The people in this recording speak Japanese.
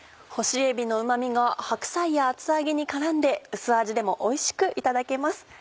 干しえびのうま味が白菜や厚揚げに絡んで薄味でもおいしくいただけます。